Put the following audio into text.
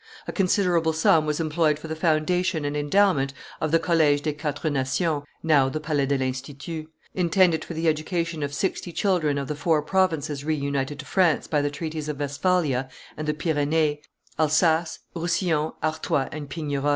A considerable sum was employed for the foundation and endowment of the College des Quatre Nations (now the Palais de l'Institut), intended for the education of sixty children of the four provinces re united to France by the treaties of Westphalia and the Pyrenees, Alsace, Roussillon, Artois, and Pignerol.